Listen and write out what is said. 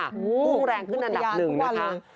ฮู้พูดพูดยาติกว่าเลยนะครับฮู้พูดยาติกว่าเลย